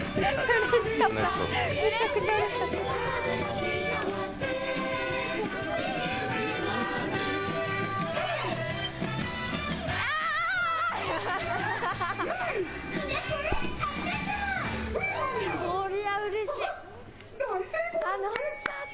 楽しかった、めちゃくちゃうれしかった。